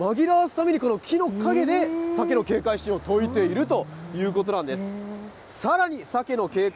その人影を紛らわすために、この木の影でサケの警戒心を解いているということなんです。